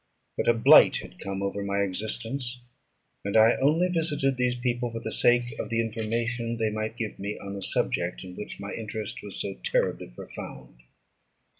But a blight had come over my existence, and I only visited these people for the sake of the information they might give me on the subject in which my interest was so terribly profound.